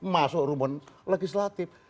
masuk rumpun legislatif